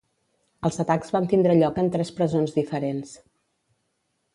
Els atacs van tindre lloc en tres presons diferents.